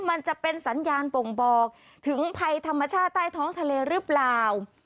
มันจะเป็นสัญญาณบ่งบอกถึงภัยธรรมชาติใต้ท้องทะเลหรือเปล่า